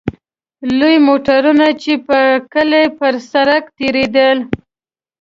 لوی موټرونه چې به کله پر سړک تېرېدل.